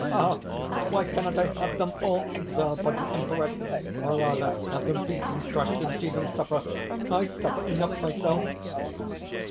Ah! why cannot I have them all exiled by the Emperor! or rather have them beaten, crushed, and see them suffer! I suffer enough myself."